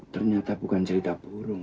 ternyata bukan cerita burung